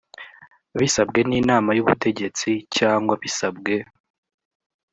bisabwe n inamay ubutegetsi cyangwa bisabwe